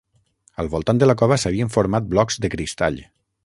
Al voltant de la cova s'havien format blocs de cristall.